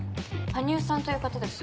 羽生さんという方です。